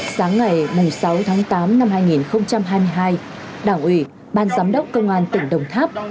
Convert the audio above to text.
sáng ngày sáu tháng tám năm hai nghìn hai mươi hai đảng ủy ban giám đốc công an tỉnh đồng tháp